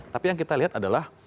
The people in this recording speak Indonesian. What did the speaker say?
tapi yang kita lihat adalah